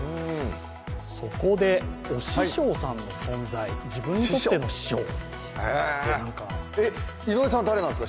そこでお師匠さんの存在自分にとっての師匠というのか。